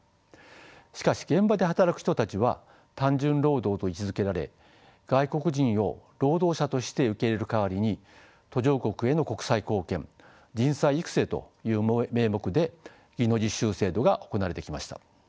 しかし現場で働く人たちは単純労働と位置づけられ外国人を労働者として受け入れる代わりに途上国への国際貢献人材育成という名目で技能実習制度が行われてきました。